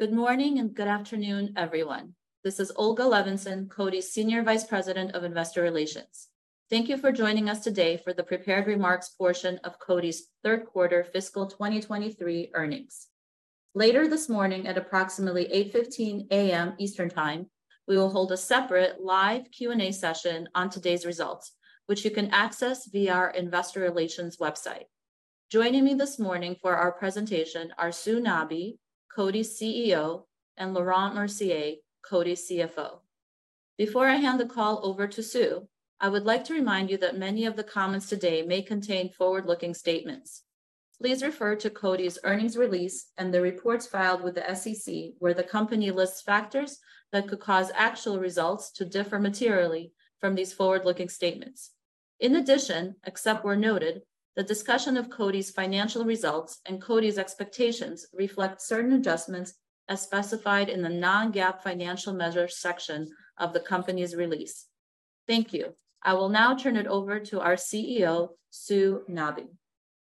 Good morning and good afternoon, everyone. This is Olga Levinzon, Coty's Senior Vice President of Investor Relations. Thank you for joining us today for the prepared remarks portion of Coty's third quarter fiscal 2023 earnings. Later this morning at approximately 8:15 A.M. Eastern Time, we will hold a separate live Q&A session on today's results, which you can access via our investor relations website. Joining me this morning for our presentation are Sue Nabi, Coty's CEO, and Laurent Mercier, Coty's CFO. Before I hand the call over to Sue, I would like to remind you that many of the comments today may contain forward-looking statements. Please refer to Coty's earnings release and the reports filed with the SEC, where the company lists factors that could cause actual results to differ materially from these forward-looking statements. In addition, except where noted, the discussion of Coty's financial results and Coty's expectations reflect certain adjustments as specified in the non-GAAP financial measures section of the company's release. Thank you. I will now turn it over to our CEO, Sue Nabi.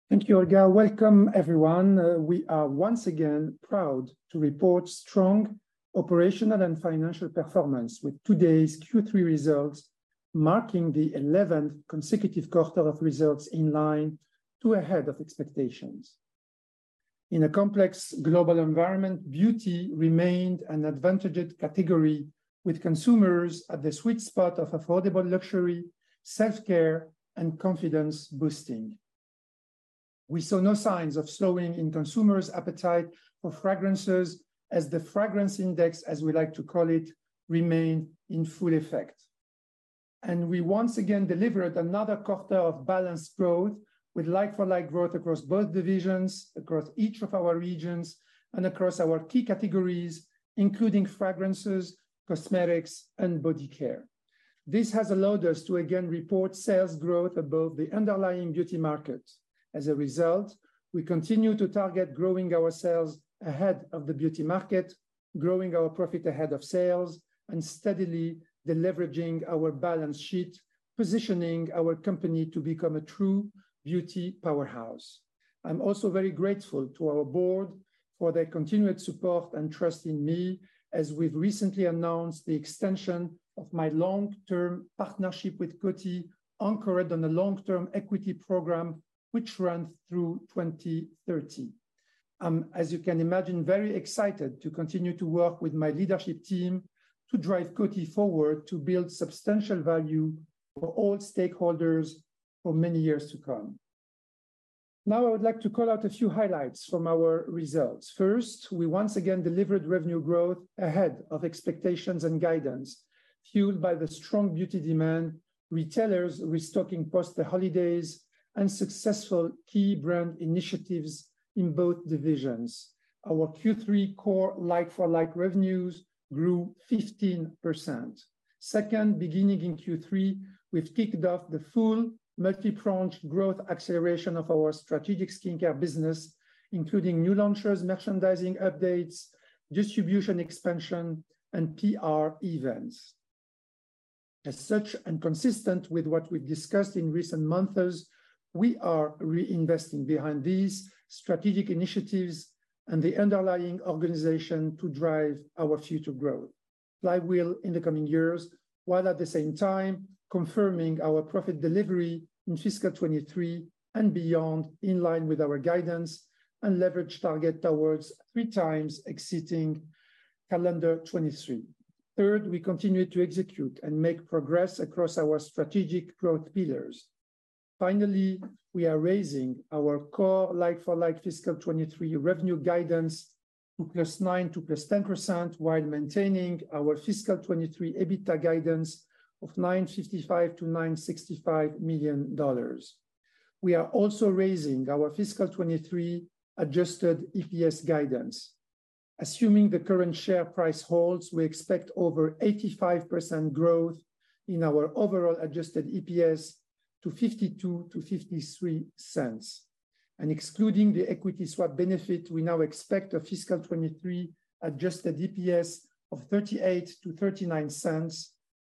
Thank you, Olga. Welcome everyone. We are once again proud to report strong operational and financial performance with today's Q3 results, marking the 11th consecutive quarter of results in line to ahead of expectations. In a complex global environment, beauty remained an advantaged category with consumers at the sweet spot of affordable luxury, self-care, and confidence boosting. We saw no signs of slowing in consumers' appetite for fragrances as the fragrance index, as we like to call it, remained in full effect. We once again delivered another quarter of balanced growth with like-for-like growth across both divisions, across each of our regions, and across our key categories, including fragrances, cosmetics, and body care. This has allowed us to again report sales growth above the underlying beauty market. As a result, we continue to target growing our sales ahead of the beauty market, growing our profit ahead of sales, and steadily deleveraging our balance sheet, positioning our company to become a true beauty powerhouse. I'm also very grateful to our board for their continued support and trust in me as we've recently announced the extension of my long-term partnership with Coty, anchored on a long-term equity program which runs through 2030. I'm, as you can imagine, very excited to continue to work with my leadership team to drive Coty forward to build substantial value for all stakeholders for many years to come. I would like to call out a few highlights from our results. First, we once again delivered revenue growth ahead of expectations and guidance, fueled by the strong beauty demand, retailers restocking post the holidays, and successful key brand initiatives in both divisions. Our Q3 core like-for-like revenues grew 15%. Second, beginning in Q3, we've kicked off the full multi-pronged growth acceleration of our strategic skincare business, including new launches, merchandising updates, distribution expansion, and PR events. As such, consistent with what we've discussed in recent months, we are reinvesting behind these strategic initiatives and the underlying organization to drive our future growth flywheel in the coming years, while at the same time confirming our profit delivery in fiscal 2023 and beyond, in line with our guidance and leverage target towards 3x exceeding calendar 2023. Third, we continue to execute and make progress across our strategic growth pillars. Finally, we are raising our core like-for-like fiscal 2023 revenue guidance to +9% to +10%, while maintaining our fiscal 2023 EBITDA guidance of $955 million-$965 million. We are also raising our fiscal 2023 adjusted EPS guidance. Assuming the current share price holds, we expect over 85% growth in our overall adjusted EPS to $0.52-$0.53. Excluding the equity swap benefit, we now expect a fiscal 2023 adjusted EPS of $0.38-$0.39,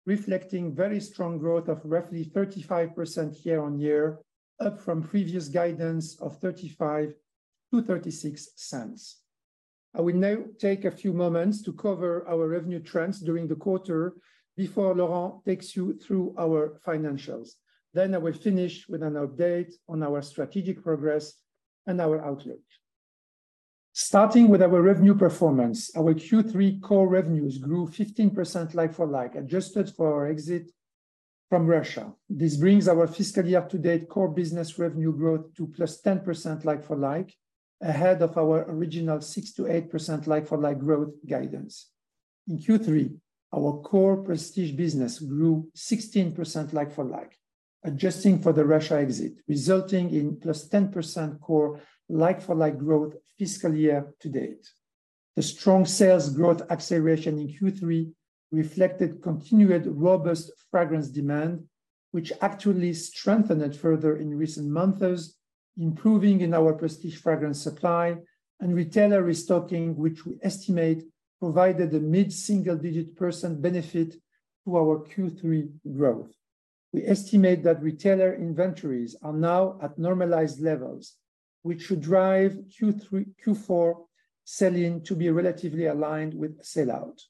reflecting very strong growth of roughly 35% year-on-year, up from previous guidance of $0.35-$0.36. I will now take a few moments to cover our revenue trends during the quarter before Laurent takes you through our financials. I will finish with an update on our strategic progress and our outlook. Starting with our revenue performance, our Q3 core revenues grew 15% like-for-like, adjusted for our exit from Russia. This brings our fiscal year to date core business revenue growth to +10% like for like, ahead of our original 6%-8% like for like growth guidance. In Q3, our core prestige business grew 16% like for like, adjusting for the Russia exit, resulting in +10% core like for like growth fiscal year to date. The strong sales growth acceleration in Q3 reflected continued robust fragrance demand, which actually strengthened further in recent months, improving in our prestige fragrance supply and retailer restocking, which we estimate provided a mid-single-digit percent benefit to our Q3 growth. We estimate that retailer inventories are now at normalized levels, which should drive Q4 sell-in to be relatively aligned with sell-out.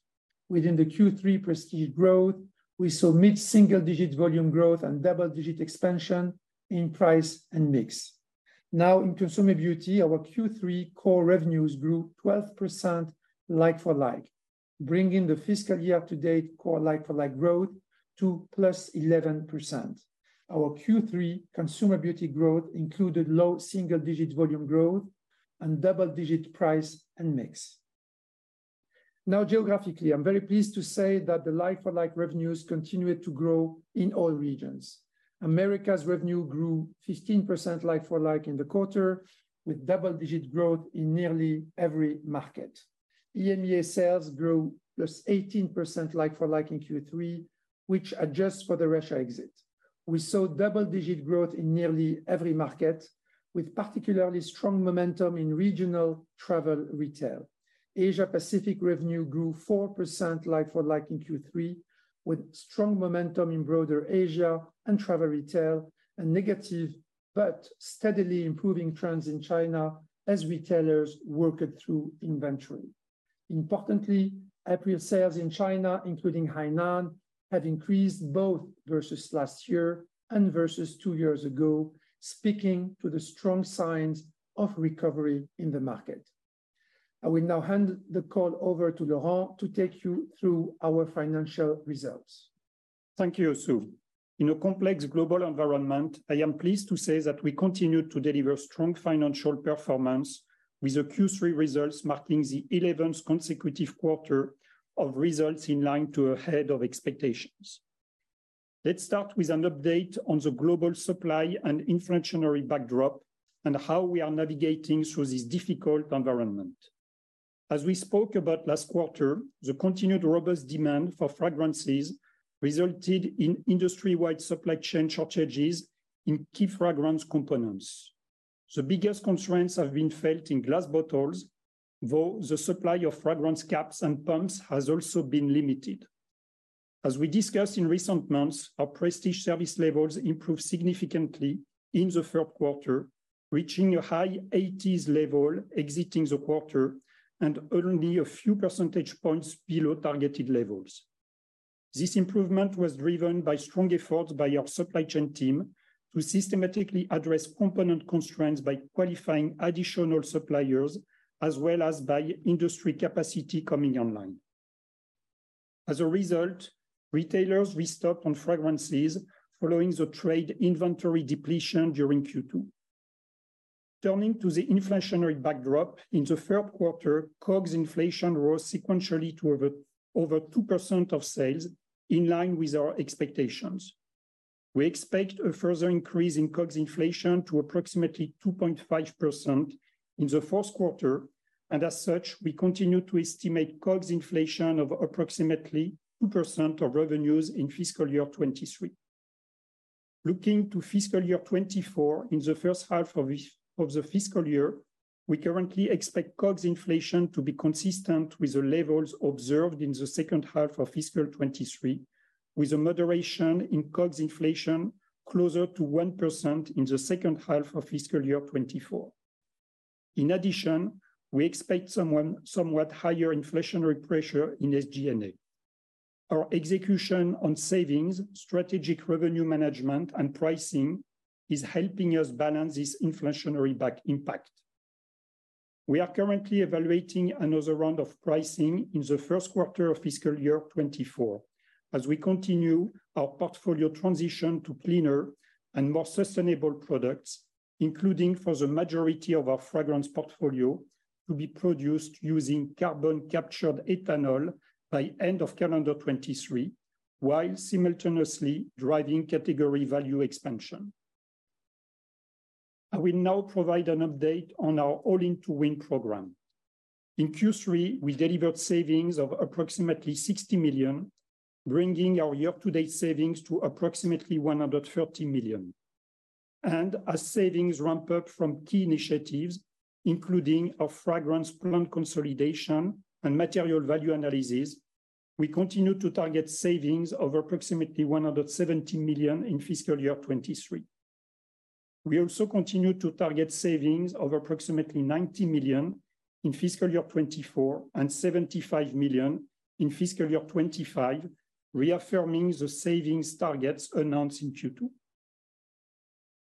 Within the Q3 Prestige growth, we saw mid-single-digit volume growth and double-digit expansion in price and mix. In Consumer Beauty, our Q3 core revenues grew 12% like-for-like, bringing the fiscal year-to-date core like-for-like growth to +11%. Our Q3 Consumer Beauty growth included low single-digit volume growth and double-digit price and mix. Geographically, I'm very pleased to say that the like-for-like revenues continued to grow in all regions. Americas revenue grew 15% like-for-like in the quarter, with double-digit growth in nearly every market. EMEA sales grew +18% like-for-like in Q3, which adjusts for the Russia exit. We saw double-digit growth in nearly every market, with particularly strong momentum in regional travel retail. Asia Pacific revenue grew 4% like-for-like in Q3, with strong momentum in broader Asia and travel retail, and negative but steadily improving trends in China as retailers worked through inventory. Importantly, April sales in China, including Hainan, have increased both versus last year and versus two years ago, speaking to the strong signs of recovery in the market. I will now hand the call over to Laurent to take you through our financial results. Thank you, Sue. In a complex global environment, I am pleased to say that we continue to deliver strong financial performance with the Q3 results marking the 11th consecutive quarter of results in line to ahead of expectations. Let's start with an update on the global supply and inflationary backdrop and how we are navigating through this difficult environment. As we spoke about last quarter, the continued robust demand for fragrances resulted in industry-wide supply chain shortages in key fragrance components. The biggest constraints have been felt in glass bottles, though the supply of fragrance caps and pumps has also been limited. As we discussed in recent months, our Prestige service levels improved significantly in the third quarter, reaching a high 80s level exiting the quarter and only a few percentage points below targeted levels. This improvement was driven by strong efforts by our supply chain team to systematically address component constraints by qualifying additional suppliers as well as by industry capacity coming online. As a result, retailers restocked on fragrances following the trade inventory depletion during Q2. Turning to the inflationary backdrop, in the third quarter, COGS inflation rose sequentially to over 2% of sales, in line with our expectations. We expect a further increase in COGS inflation to approximately 2.5% in the fourth quarter. We continue to estimate COGS inflation of approximately 2% of revenues in fiscal year 2023. Looking to fiscal year 2024, in the first half of the fiscal year, we currently expect COGS inflation to be consistent with the levels observed in the second half of fiscal 2023, with a moderation in COGS inflation closer to 1% in the second half of fiscal year 2024. In addition, we expect somewhat higher inflationary pressure in SG&A. Our execution on savings, strategic revenue management, and pricing is helping us balance this inflationary back impact. We are currently evaluating another round of pricing in the first quarter of fiscal year 2024 as we continue our portfolio transition to cleaner and more sustainable products, including for the majority of our fragrance portfolio to be produced using carbon-captured ethanol by end of calendar 2023, while simultaneously driving category value expansion. I will now provide an update on our All In to Win program. In Q3, we delivered savings of approximately $60 million, bringing our year-to-date savings to approximately $130 million. As savings ramp up from key initiatives, including our fragrance plant consolidation and material value analysis, we continue to target savings of approximately $170 million in fiscal year 2023. We also continue to target savings of approximately $90 million in fiscal year 2024 and $75 million in fiscal year 2025, reaffirming the savings targets announced in Q2.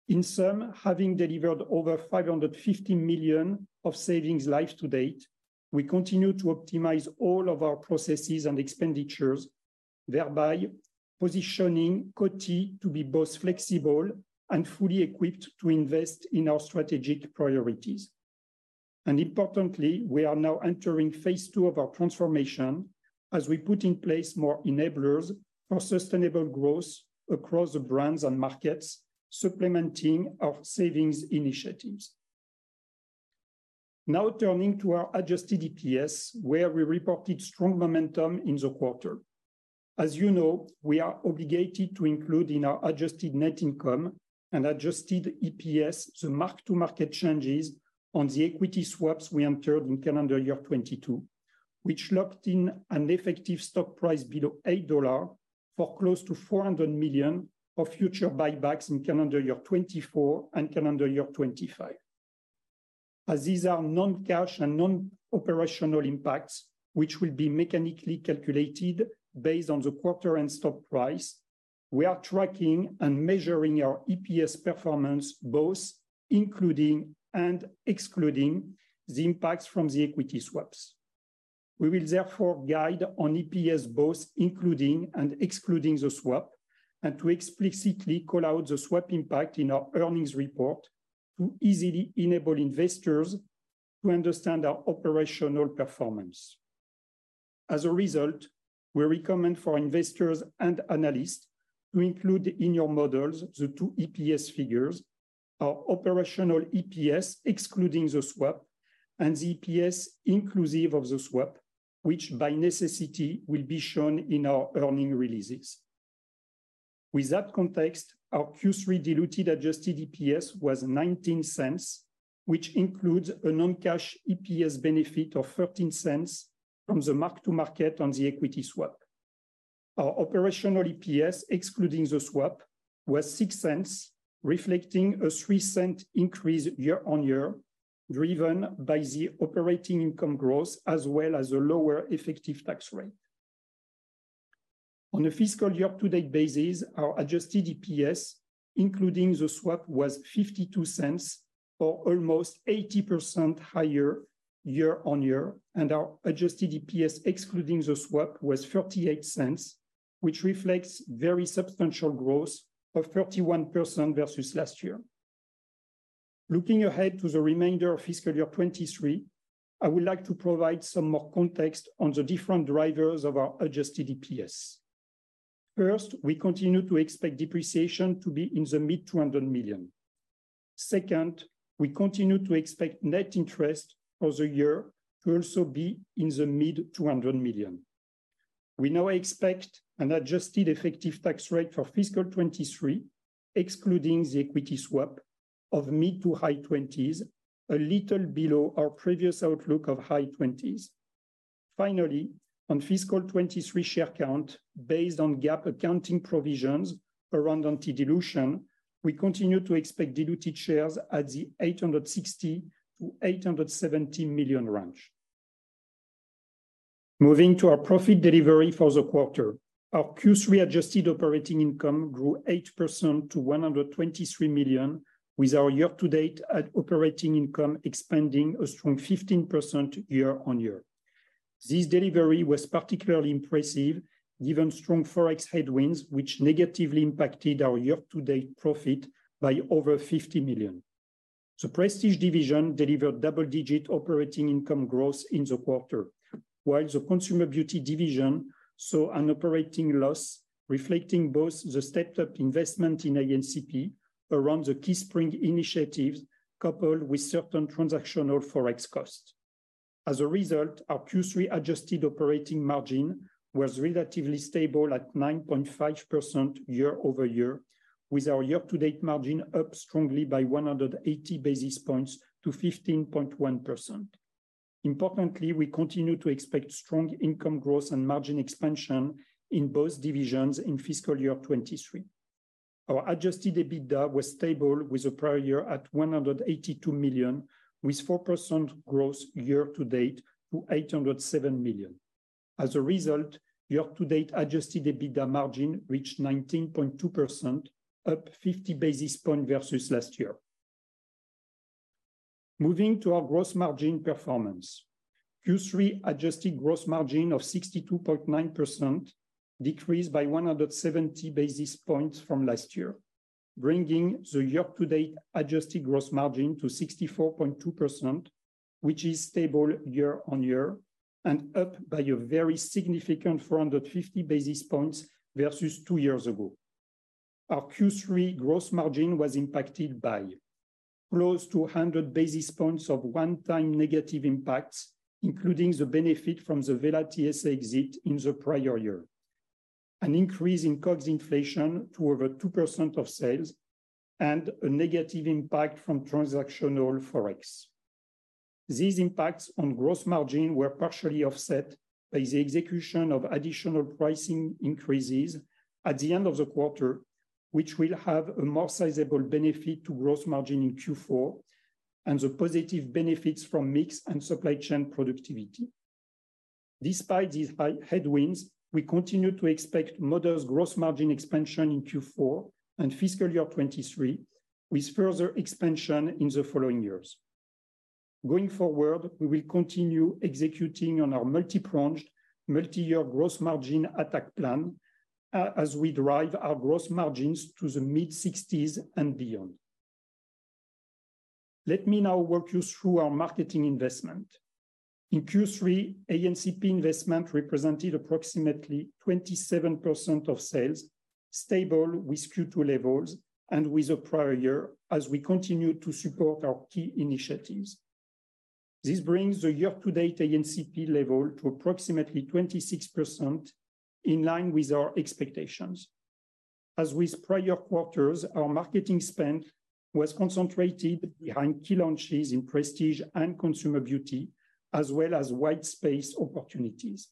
In sum, having delivered over $550 million of savings live to date, we continue to optimize all of our processes and expenditures, thereby positioning Coty to be both flexible and fully equipped to invest in our strategic priorities. Importantly, we are now entering phase II of our transformation as we put in place more enablers for sustainable growth across the brands and markets, supplementing our savings initiatives. Turning to our adjusted EPS, where we reported strong momentum in the quarter. You know, we are obligated to include in our adjusted net income and adjusted EPS the mark-to-market changes on the equity swaps we entered in calendar year 2022, which locked in an effective stock price below $8 for close to $400 million of future buybacks in calendar year 2024 and calendar year 2025. These are non-cash and non-operational impacts, which will be mechanically calculated based on the quarter-end stock price, we are tracking and measuring our EPS performance both including and excluding the impacts from the equity swaps. We will therefore guide on EPS both including and excluding the swap, and to explicitly call out the swap impact in our earnings report to easily enable investors to understand our operational performance. As a result, we recommend for investors and analysts to include in your models the two EPS figures, our operational EPS excluding the swap, and the EPS inclusive of the swap, which by necessity will be shown in our earnings releases. With that context, our Q3 diluted adjusted EPS was $0.19, which includes a non-cash EPS benefit of $0.13 from the mark-to-market on the equity swap. Our operational EPS excluding the swap was $0.06, reflecting a $0.03 increase year-on-year, driven by the operating income growth as well as a lower effective tax rate. On a fiscal year-to-date basis, our adjusted EPS including the swap was $0.52 or almost 80% higher year-on-year, and our adjusted EPS excluding the swap was $0.38, which reflects very substantial growth of 31% versus last year. Looking ahead to the remainder of fiscal year 2023, I would like to provide some more context on the different drivers of our adjusted EPS. First, we continue to expect depreciation to be in the mid $200 million. Second, we continue to expect net interest for the year to also be in the mid $200 million. We now expect an adjusted effective tax rate for fiscal 2023, excluding the equity swap of mid-to-high 20s, a little below our previous outlook of high 20s. Finally, on fiscal 2023 share count based on GAAP accounting provisions around anti-dilution, we continue to expect diluted shares at the $860 million-$870 million range. Moving to our profit delivery for the quarter. Our Q3 adjusted operating income grew 8% to $123 million, with our year-to-date at operating income expanding a strong 15% year-on-year. This delivery was particularly impressive given strong Forex headwinds, which negatively impacted our year-to-date profit by over $50 million. The Prestige division delivered double-digit operating income growth in the quarter, while the Consumer Beauty division saw an operating loss reflecting both the stepped up investment in ANCP around the Key Spring initiatives, coupled with certain transactional Forex costs. Our Q3 adjusted operating margin was relatively stable at 9.5% year-over-year, with our year-to-date margin up strongly by 180 basis points to 15.1%. Importantly, we continue to expect strong income growth and margin expansion in both divisions in fiscal year 2023. Our adjusted EBITDA was stable with the prior year at $182 million, with 4% growth year-to-date to $807 million. Year-to-date adjusted EBITDA margin reached 19.2%, up 50 basis point versus last year. Moving to our gross margin performance. Q3 adjusted gross margin of 62.9% decreased by 170 basis points from last year, bringing the year-to-date adjusted gross margin to 64.2%, which is stable year-on-year and up by a very significant 450 basis points versus two years ago. Our Q3 gross margin was impacted by close to 100 basis points of one-time negative impacts, including the benefit from the Wella TSA exit in the prior year, an increase in COGS inflation to over 2% of sales, and a negative impact from transactional Forex. These impacts on gross margin were partially offset by the execution of additional pricing increases at the end of the quarter, which will have a more sizable benefit to gross margin in Q4 and the positive benefits from mix and supply chain productivity. Despite these high headwinds, we continue to expect modest gross margin expansion in Q4 and fiscal year 2023, with further expansion in the following years. Going forward, we will continue executing on our multi-pronged, multi-year gross margin attack plan, as we drive our gross margins to the mid-sixties and beyond. Let me now walk you through our marketing investment. In Q3, ANCP investment represented approximately 27% of sales, stable with Q2 levels and with the prior year as we continue to support our key initiatives. This brings the year to date ANCP level to approximately 26%, in line with our expectations. As with prior quarters, our marketing spend was concentrated behind key launches in prestige and consumer beauty, as well as white space opportunities.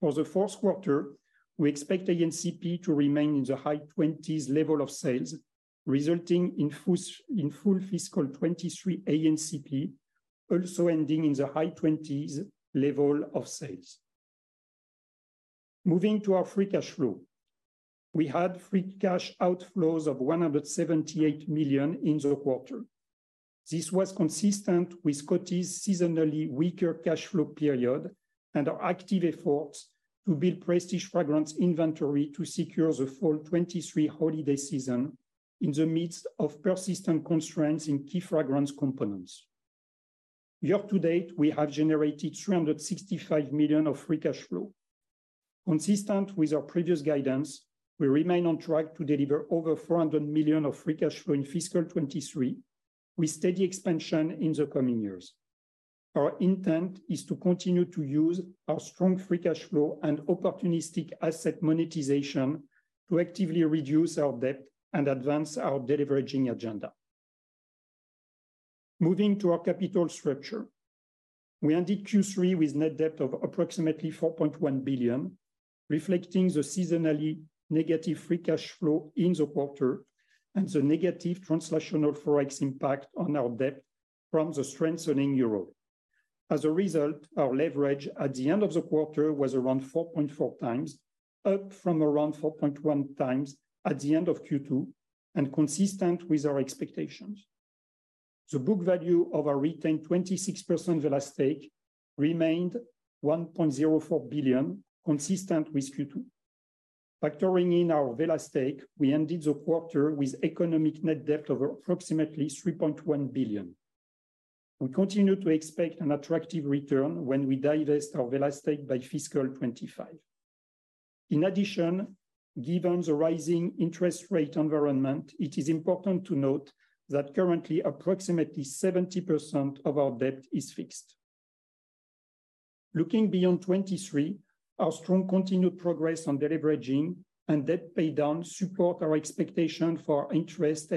For the fourth quarter, we expect ANCP to remain in the high twenties level of sales, resulting in in full fiscal 2023 ANCP also ending in the high twenties level of sales. Moving to our free cash flow. We had free cash outflows of $178 million in the quarter. This was consistent with Coty's seasonally weaker cash flow period and our active efforts to build prestige fragrance inventory to secure the fall 2023 holiday season in the midst of persistent constraints in key fragrance components. Year to date, we have generated $365 million of free cash flow. Consistent with our previous guidance, we remain on track to deliver over $400 million of free cash flow in fiscal 2023, with steady expansion in the coming years. Our intent is to continue to use our strong free cash flow and opportunistic asset monetization to actively reduce our debt and advance our deleveraging agenda. Moving to our capital structure. We ended Q3 with net debt of approximately $4.1 billion, reflecting the seasonally negative free cash flow in the quarter and the negative translational Forex impact on our debt from the strengthening euro. As a result, our leverage at the end of the quarter was around 4.4x, up from around 4.1x at the end of Q2, and consistent with our expectations. The book value of our retained 26% Wella stake remained $1.04 billion, consistent with Q2. Factoring in our Wella stake, we ended the quarter with economic net debt of approximately $3.1 billion. We continue to expect an attractive return when we divest our Wella stake by fiscal 2025. In addition, given the rising interest rate environment, it is important to note that currently approximately 70% of our debt is fixed. Looking beyond 2023, our strong continued progress on deleveraging and debt pay down support our expectation for interest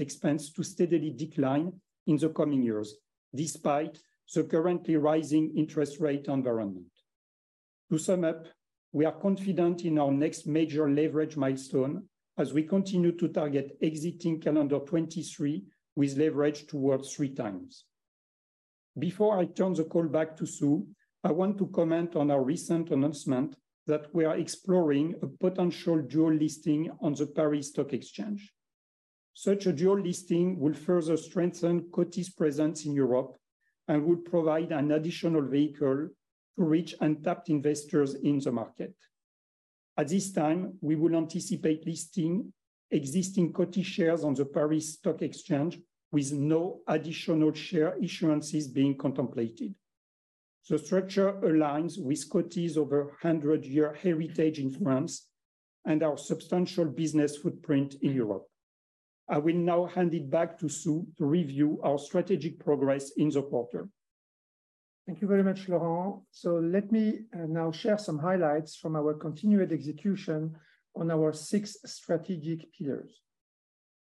expense to steadily decline in the coming years, despite the currently rising interest rate environment. To sum up, we are confident in our next major leverage milestone as we continue to target exiting calendar 2023 with leverage towards 3 x. Before I turn the call back to Sue, I want to comment on our recent announcement that we are exploring a potential dual listing on the Paris Stock Exchange. Such a dual listing will further strengthen Coty's presence in Europe and would provide an additional vehicle to reach untapped investors in the market. At this time, we would anticipate listing existing Coty shares on the Paris Stock Exchange with no additional share insurances being contemplated. The structure aligns with Coty's over 100-year heritage in France and our substantial business footprint in Europe. I will now hand it back to Sue to review our strategic progress in the quarter. Thank you very much, Laurent. Let me now share some highlights from our continued execution on our six strategic pillars.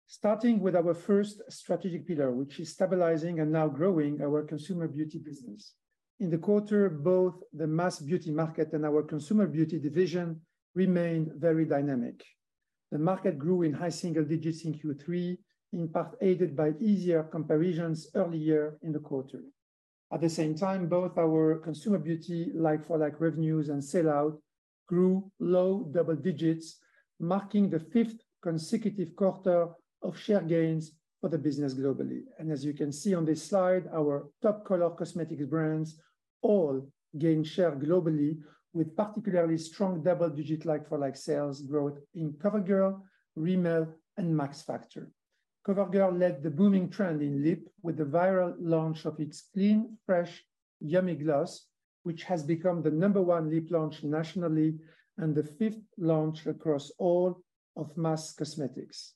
Starting with our first strategic pillar, which is stabilizing and now growing our consumer beauty business. In the quarter, both the mass beauty market and our consumer beauty division remained very dynamic. The market grew in high single digits in Q3, in part aided by easier comparisons earlier in the quarter. At the same time, both our consumer beauty like-for-like revenues and sell out grew low double digits, marking the 5th consecutive quarter of share gains for the business globally. As you can see on this slide, our top color cosmetics brands all gained share globally with particularly strong double-digit like-for-like sales growth in CoverGirl, Rimmel, and Max Factor. CoverGirl led the booming trend in lip with the viral launch of its Clean Fresh Yummy Gloss, which has become the number one lip launch nationally and the fifth launch across all of mass cosmetics.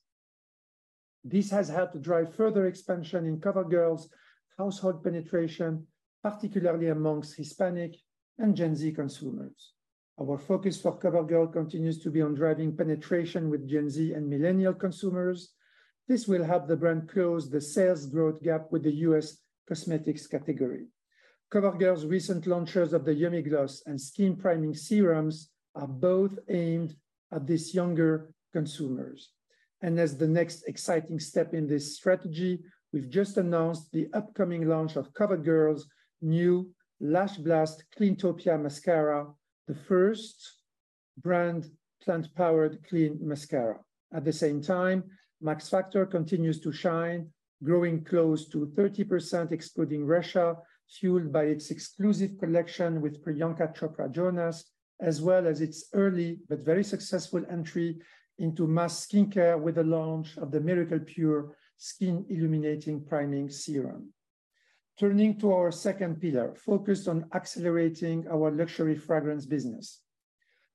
This has helped drive further expansion in CoverGirl's household penetration, particularly amongst Hispanic and Gen Z consumers. Our focus for CoverGirl continues to be on driving penetration with Gen Z and millennial consumers. This will help the brand close the sales growth gap with the US cosmetics category. CoverGirl's recent launches of the Yummy Gloss and Skin Priming Serums are both aimed at these younger consumers. As the next exciting step in this strategy, we've just announced the upcoming launch of CoverGirl's new Lash Blast Cleantopia Mascara, the first brand plant-powered clean mascara. At the same time, Max Factor continues to shine, growing close to 30% excluding Russia, fueled by its exclusive collection with Priyanka Chopra Jonas, as well as its early but very successful entry into mass skincare with the launch of the Miracle Pure Skin-Illuminating Priming Serum. Turning to our second pillar, focused on accelerating our luxury fragrance business.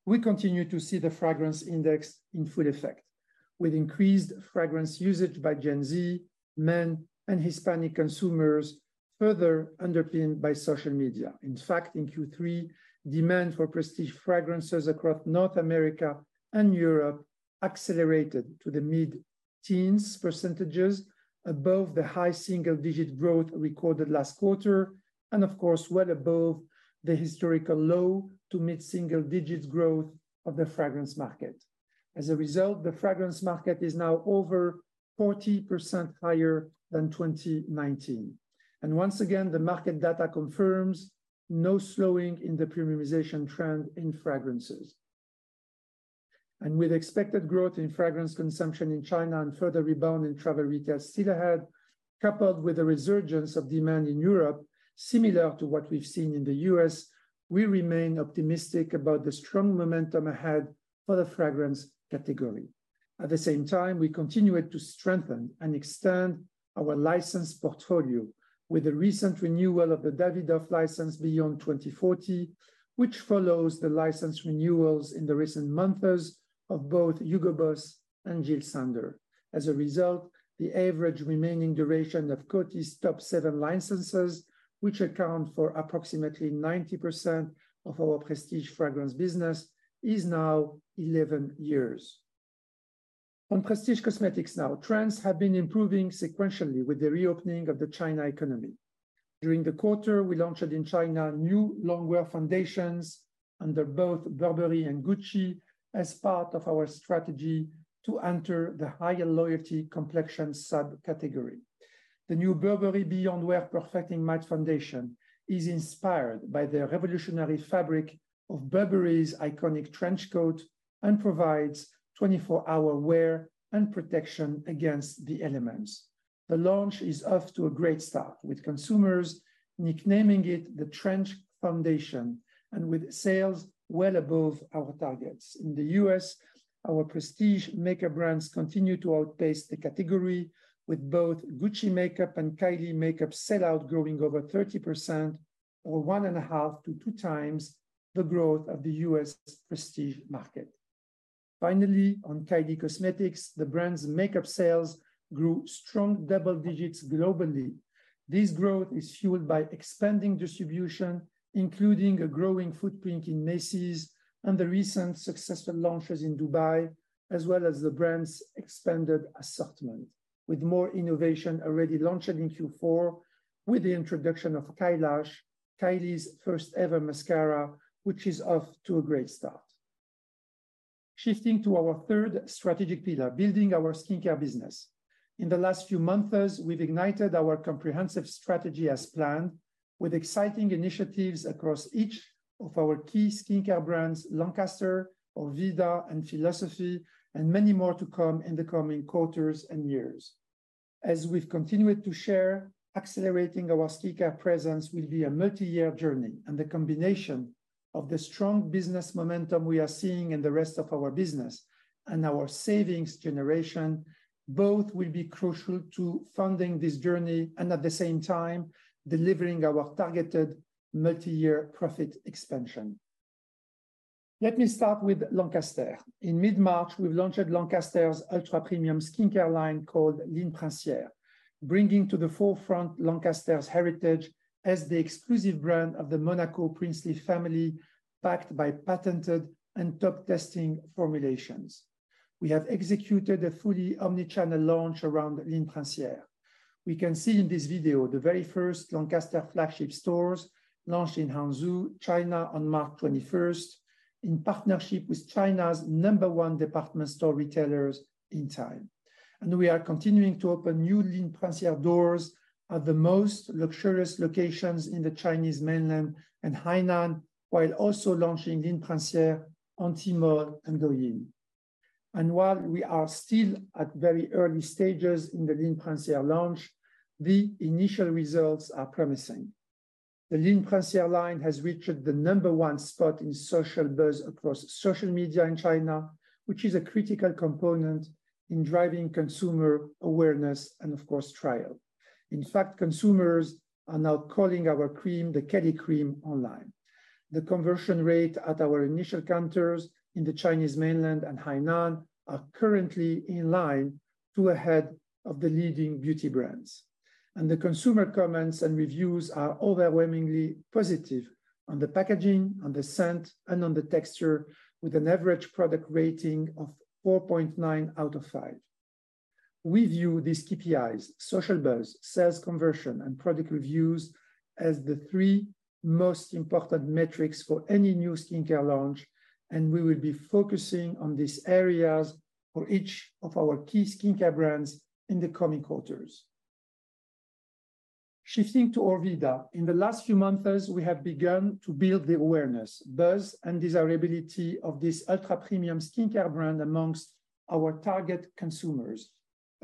We continue to see the fragrance index in full effect. With increased fragrance usage by Gen Z, men, and Hispanic consumers, further underpinned by social media. In fact, in Q3, demand for prestige fragrances across North America and Europe accelerated to the mid-teens % above the high single-digit growth recorded last quarter, and of course, well above the historical low- to mid-single digits growth of the fragrance market. As a result, the fragrance market is now over 40% higher than 2019. Once again, the market data confirms no slowing in the premiumization trend in fragrances. With expected growth in fragrance consumption in China and further rebound in travel retail still ahead, coupled with a resurgence of demand in Europe, similar to what we've seen in the U.S., we remain optimistic about the strong momentum ahead for the fragrance category. At the same time, we continue to strengthen and extend our licensed portfolio with the recent renewal of the Davidoff license beyond 2040, which follows the license renewals in the recent months of both Hugo Boss and Jil Sander. As a result, the average remaining duration of Coty's top 7 licenses, which account for approximately 90% of our prestige fragrance business, is now 11 years. On prestige cosmetics now, trends have been improving sequentially with the reopening of the China economy. During the quarter, we launched in China new long-wear foundations under both Burberry and Gucci as part of our strategy to enter the higher loyalty complexion subcategory. The new Burberry Beyond Wear Perfecting Matte Foundation is inspired by the revolutionary fabric of Burberry's iconic trench coat and provides 24-hour wear and protection against the elements. The launch is off to a great start, with consumers nicknaming it the Trench Foundation and with sales well above our targets. In the US, our prestige makeup brands continue to outpace the category, with both Gucci makeup and Kylie makeup sell-out growing over 30% or 1.5x to 2x the growth of the U.S. prestige market. Finally, on Kylie Cosmetics, the brand's makeup sales grew strong double digits globally. This growth is fueled by expanding distribution, including a growing footprint in Macy's and the recent successful launches in Dubai, as well as the brand's expanded assortment, with more innovation already launching in Q4 with the introduction of Kylash, Kylie's first-ever mascara, which is off to a great start. Shifting to our third strategic pillar, building our skincare business. In the last few months, we've ignited our comprehensive strategy as planned with exciting initiatives across each of our key skincare brands, Lancaster, Orveda, and Philosophy, and many more to come in the coming quarters and years. As we've continued to share, accelerating our skincare presence will be a multi-year journey, and the combination of the strong business momentum we are seeing in the rest of our business and our savings generation, both will be crucial to funding this journey and at the same time, delivering our targeted multi-year profit expansion. Let me start with Lancaster. In mid-March, we've launched Lancaster's ultra-premium skincare line called Ligne Princière, bringing to the forefront Lancaster's heritage as the exclusive brand of the Monaco princely family, backed by patented and top testing formulations. We have executed a fully omni-channel launch around Ligne Princière. We can see in this video the very first Lancaster flagship stores launched in Hangzhou, China, on March 21st, in partnership with China's number one department store retailers Intime. We are continuing to open new Ligne Princière doors at the most luxurious locations in the Chinese mainland and Hainan, while also launching Ligne Princière on Tmall and Douyin. While we are still at very early stages in the Ligne Princière launch, the initial results are promising. The Ligne Princière line has reached the number one spot in social buzz across social media in China, which is a critical component in driving consumer awareness and, of course, trial. In fact, consumers are now calling our cream the Caddy Cream online. The conversion rate at our initial counters in the Chinese mainland and Hainan are currently in line to ahead of the leading beauty brands. The consumer comments and reviews are overwhelmingly positive on the packaging, on the scent, and on the texture, with an average product rating of 4.9 out of five. We view these KPIs, social buzz, sales conversion, and product reviews as the three most important metrics for any new skincare launch, and we will be focusing on these areas for each of our key skincare brands in the coming quarters. Shifting to Orveda. In the last few months, we have begun to build the awareness, buzz, and desirability of this ultra-premium skincare brand amongst our target consumers,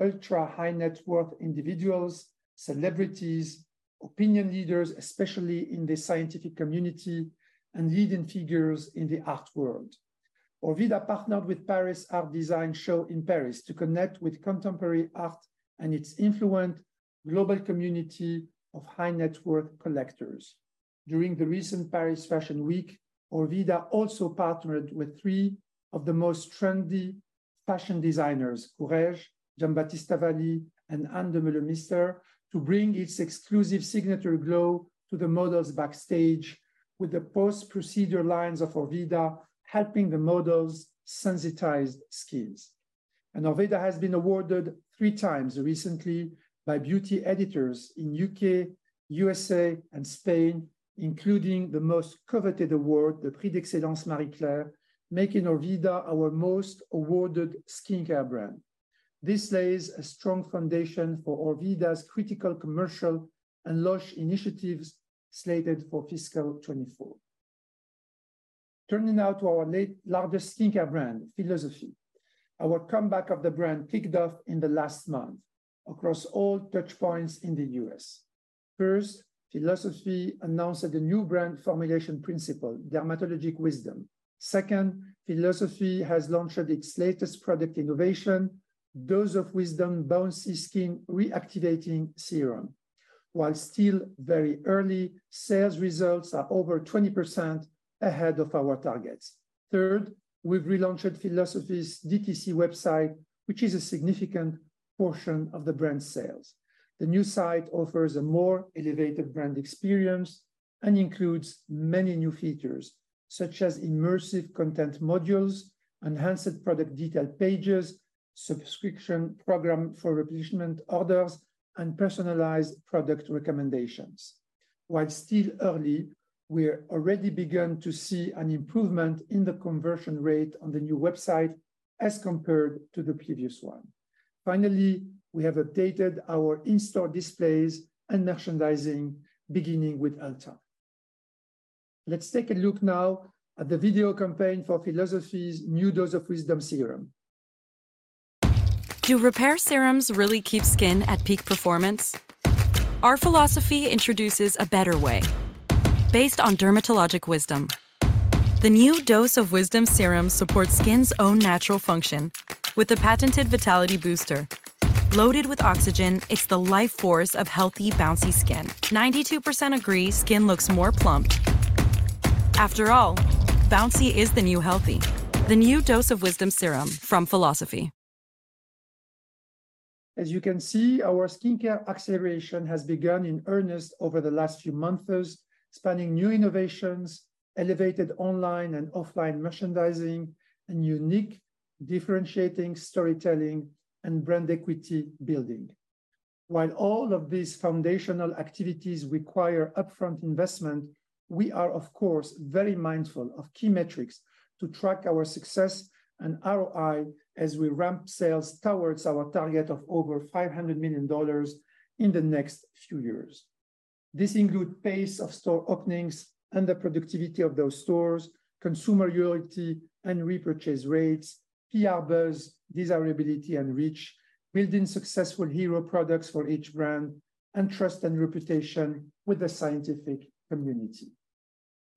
ultra-high-net-worth individuals, celebrities, opinion leaders, especially in the scientific community, and leading figures in the art world. Orveda partnered with Paris Art Design Show in Paris to connect with contemporary art and its influent global community of high-net-worth collectors. During the recent Paris Fashion Week, Orveda also partnered with three of the most trendy fashion designers, Courrèges, Giambattista Valli, and Ann Demeulemeester, to bring its exclusive signature glow to the models backstage with the post-procedure lines of Orveda helping the models' sensitized skins. Orveda has been awarded three times recently by beauty editors in U.K., U.S.A., and Spain, including the most coveted award, the Prix d'Excellence Marie Claire, making Orveda our most awarded skincare brand. This lays a strong foundation for Orveda's critical commercial and launch initiatives slated for fiscal 2024. Now to our largest skincare brand, Philosophy. Our comeback of the brand kicked off in the last month across all touchpoints in the U.S. First, Philosophy announced the new brand formulation principle, dermatologic wisdom. Second, Philosophy has launched its latest product innovation, dose of wisdom bouncy skin reactivating serum. While still very early, sales results are over 20% ahead of our targets. Third, we've relaunched Philosophy's DTC website, which is a significant portion of the brand's sales. The new site offers a more elevated brand experience and includes many new features, such as immersive content modules, enhanced product detail pages, subscription program for replenishment orders, and personalized product recommendations. While still early, we're already begun to see an improvement in the conversion rate on the new website as compared to the previous one. We have updated our in-store displays and merchandising, beginning with Ulta. Let's take a look now at the video campaign for Philosophy's new dose of wisdom serum. Do repair serums really keep skin at peak performance? Our Philosophy introduces a better way based on dermatologic wisdom. The new dose of wisdom serum supports skin's own natural function with the patented vitality booster. Loaded with oxygen, it's the life force of healthy, bouncy skin. 92% agree skin looks more plump. After all, bouncy is the new healthy. The new dose of wisdom serum from Philosophy. Our skincare acceleration has begun in earnest over the last few months, spanning new innovations, elevated online and offline merchandising, and unique differentiating storytelling and brand equity building. All of these foundational activities require upfront investment, we are, of course, very mindful of key metrics to track our success and ROI as we ramp sales towards our target of over $500 million in the next few years. This includes pace of store openings and the productivity of those stores, consumer loyalty and repurchase rates, PR buzz, desirability and reach, building successful hero products for each brand, and trust and reputation with the scientific community.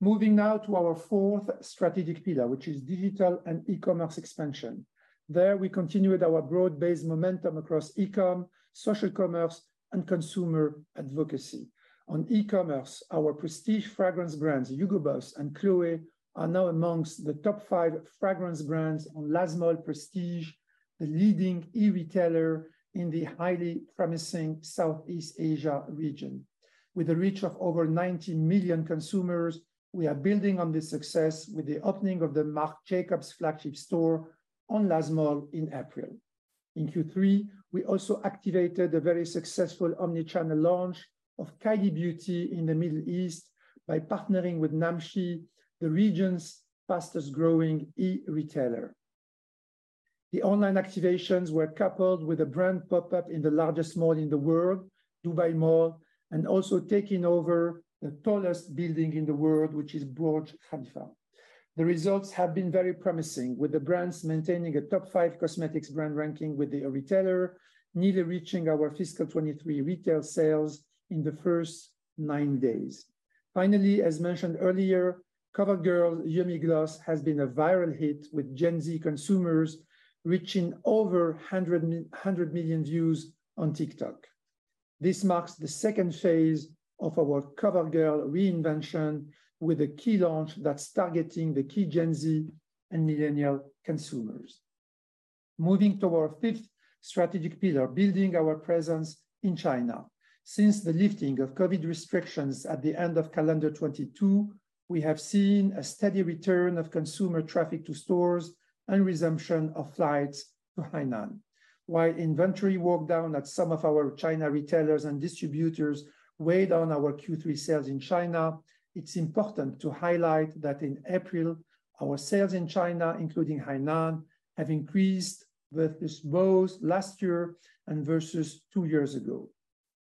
Moving now to our fourth strategic pillar, which is digital and e-commerce expansion. There, we continued our broad-based momentum across e-com, social commerce, and consumer advocacy. On e-commerce, our prestige fragrance brands, Hugo Boss and Chloé, are now amongst the top five fragrance brands on LazMall Prestige, the leading e-retailer in the highly promising Southeast Asia region. With a reach of over 19 million consumers, we are building on this success with the opening of the Marc Jacobs flagship store on LazMall in April. In Q3, we also activated a very successful omni-channel launch of Kylie Beauty in the Middle East by partnering with Namshi, the region's fastest-growing e-retailer. The online activations were coupled with a brand pop-up in the largest mall in the world, Dubai Mall, and also taking over the tallest building in the world, which is Burj Khalifa. The results have been very promising, with the brands maintaining a top five cosmetics brand ranking with the e-retailer, nearly reaching our fiscal 2023 retail sales in the first nine days. As mentioned earlier, CoverGirl Yummy Gloss has been a viral hit with Gen Z consumers, reaching over 100 million views on TikTok. This marks the second phase of our CoverGirl reinvention with a key launch that's targeting the key Gen Z and millennial consumers. Moving to our fifth strategic pillar, building our presence in China. Since the lifting of COVID restrictions at the end of calendar 2022, we have seen a steady return of consumer traffic to stores and resumption of flights to Hainan. Inventory worked down at some of our China retailers and distributors weighed on our Q3 sales in China, it's important to highlight that in April, our sales in China, including Hainan, have increased versus both last year and versus two years ago.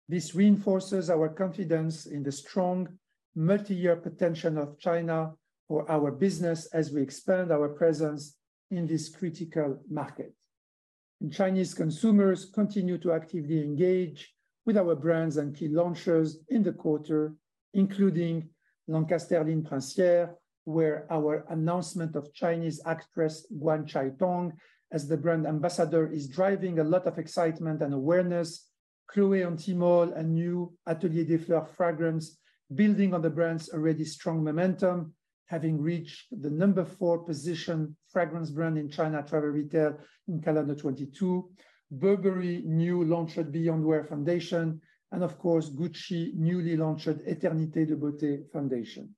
This reinforces our confidence in the strong multi-year potential of China for our business as we expand our presence in this critical market. Chinese consumers continue to actively engage with our brands and key launches in the quarter, including Lancaster Ligne Princière, where our announcement of Chinese actress Guan Xiaotong as the brand ambassador is driving a lot of excitement and awareness. Chloé on Tmall and new Atelier des Fleurs fragrance, building on the brand's already strong momentum, having reached the four position fragrance brand in China travel retail in calendar 2022. Burberry new launched Beyond Wear Foundation, and of course, Gucci newly launched Éternité de Beauté foundation.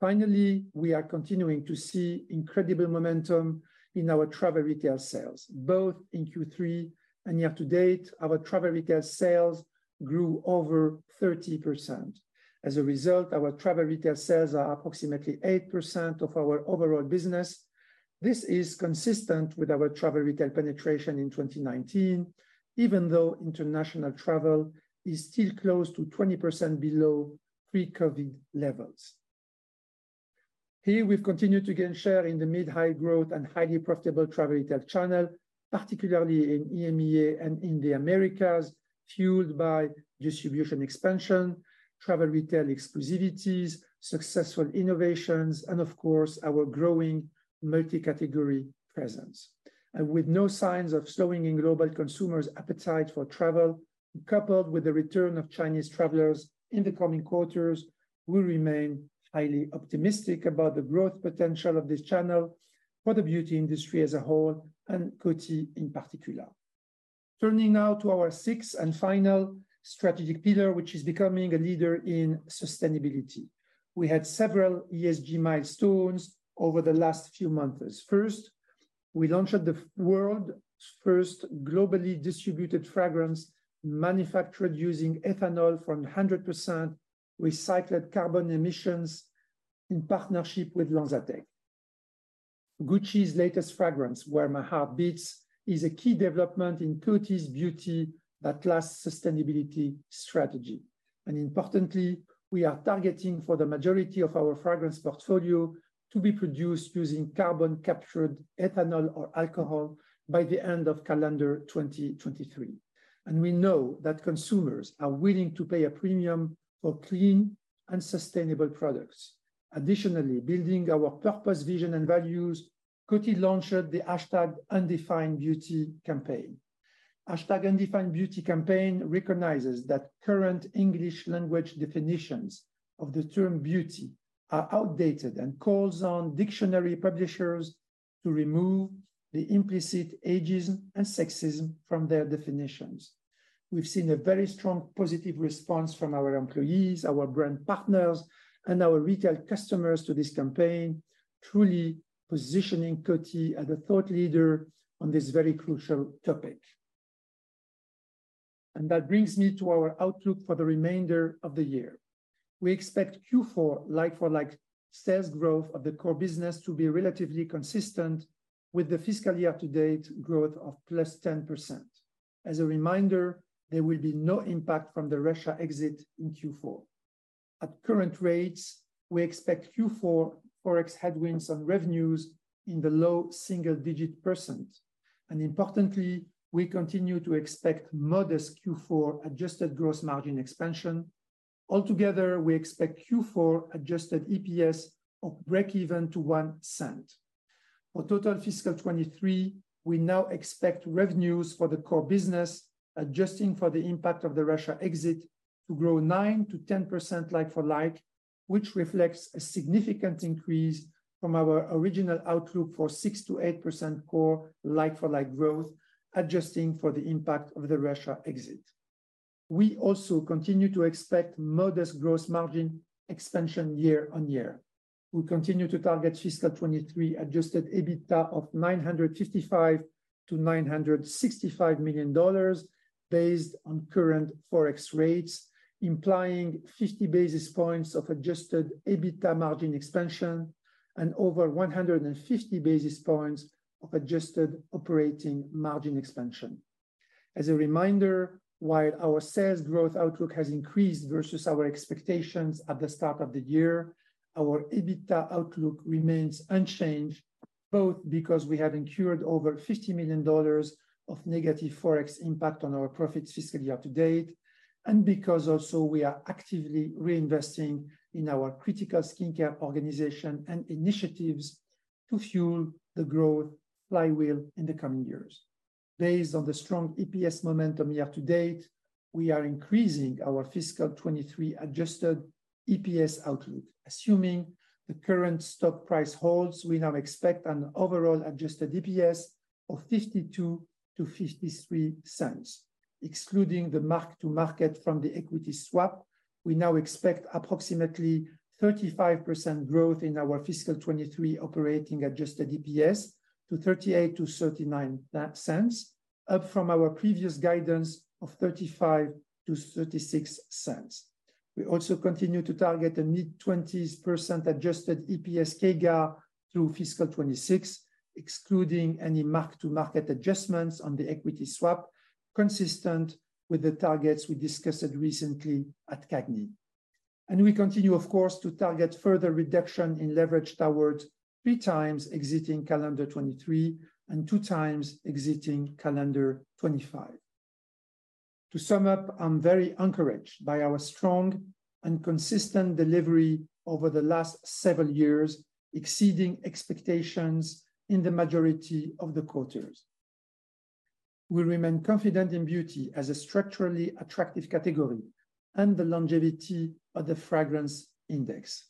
Finally, we are continuing to see incredible momentum in our travel retail sales, both in Q3 and year to date, our travel retail sales grew over 30%. Our travel retail sales are approximately 8% of our overall business. This is consistent with our travel retail penetration in 2019, even though international travel is still close to 20% below pre-COVID levels. Here, we've continued to gain share in the mid-high growth and highly profitable travel retail channel, particularly in EMEA and in the Americas, fueled by distribution expansion, travel retail exclusivities, successful innovations, and of course, our growing multi-category presence. With no signs of slowing in global consumers' appetite for travel, coupled with the return of Chinese travelers in the coming quarters, we remain highly optimistic about the growth potential of this channel for the beauty industry as a whole and Coty in particular. Turning now to our sixth and final strategic pillar, which is becoming a leader in sustainability. We had several ESG milestones over the last few months. First, we launched the world's first globally distributed fragrance manufactured using ethanol from 100% recycled carbon emissions in partnership with LanzaTech. Gucci's latest fragrance, Where My Heart Beats, is a key development in Coty's Beauty that Lasts sustainability strategy. Importantly, we are targeting for the majority of our fragrance portfolio to be produced using carbon captured ethanol or alcohol by the end of calendar 2023. We know that consumers are willing to pay a premium for clean and sustainable products. Additionally, building our purpose, vision, and values, Coty launched the #UndefinedBeauty campaign. #UndefinedBeauty campaign recognizes that current English language definitions of the term beauty are outdated and calls on dictionary publishers to remove the implicit ageism and sexism from their definitions. We've seen a very strong, positive response from our employees, our brand partners, and our retail customers to this campaign, truly positioning Coty as a thought leader on this very crucial topic. That brings me to our outlook for the remainder of the year. We expect Q4 like-for-like sales growth of the core business to be relatively consistent with the fiscal year to date growth of +10%. As a reminder, there will be no impact from the Russia exit in Q4. At current rates, we expect Q4 Forex headwinds on revenues in the low single-digit percent. Importantly, we continue to expect modest Q4 adjusted gross margin expansion. Altogether, we expect Q4 adjusted EPS of breakeven to $0.01. For total fiscal 2023, we now expect revenues for the core business, adjusting for the impact of the Russia exit, to grow 9%-10% like for like, which reflects a significant increase from our original outlook for 6%-8% core like for like growth, adjusting for the impact of the Russia exit. We also continue to expect modest gross margin expansion year on year. We continue to target fiscal 2023 adjusted EBITDA of $955 million-$965 million based on current Forex rates, implying 50 basis points of adjusted EBITDA margin expansion and over 150 basis points of adjusted operating margin expansion. As a reminder, while our sales growth outlook has increased versus our expectations at the start of the year, our EBITDA outlook remains unchanged, both because we have incurred over $50 million of negative Forex impact on our profits fiscally up to date, because also we are actively reinvesting in our critical skincare organization and initiatives to fuel the growth flywheel in the coming years. Based on the strong EPS momentum year to date, we are increasing our fiscal 2023 adjusted EPS outlook. Assuming the current stock price holds, we now expect an overall adjusted EPS of $0.52-$0.53. Excluding the mark to market from the equity swap, we now expect approximately 35% growth in our fiscal 2023 operating adjusted EPS to $0.38-$0.39, up from our previous guidance of $0.35-$0.36. We also continue to target a mid-20s% adjusted EPS CAGR through fiscal 2026, excluding any mark to market adjustments on the equity swap, consistent with the targets we discussed recently at CAGNY. We continue, of course, to target further reduction in leverage towards three times exiting calendar 2023 and 2x exiting calendar 2025. To sum up, I'm very encouraged by our strong and consistent delivery over the last several years, exceeding expectations in the majority of the quarters. We remain confident in beauty as a structurally attractive category and the longevity of the fragrance index.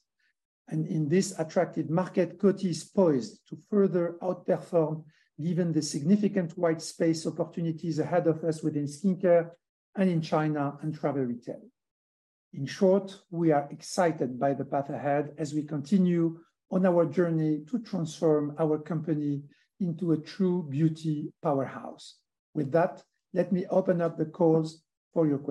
In this attractive market, Coty is poised to further outperform, given the significant white space opportunities ahead of us within skincare and in China and travel retail. In short, we are excited by the path ahead as we continue on our journey to transform our company into a true beauty powerhouse. With that, let me open up the calls for your questions.